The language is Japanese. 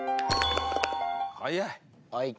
はい。